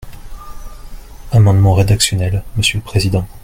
Amendement rédactionnel, monsieur le président.